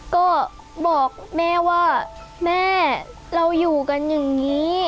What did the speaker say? ก็บอกแม่ว่าแม่เราอยู่กันอย่างนี้